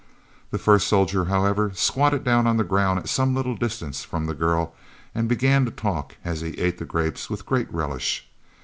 The first soldier, however, squatted down on the ground at some little distance from the girl and began to talk, as he ate the grapes with great relish.